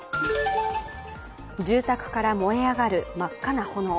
住宅から燃え上がる真っ赤な炎。